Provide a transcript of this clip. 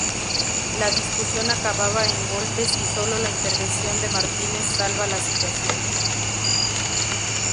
La discusión acaba en golpes y sólo la intervención de Martínez salva la situación.